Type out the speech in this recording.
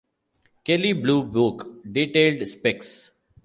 Kelly Bluebook Detailed spec's.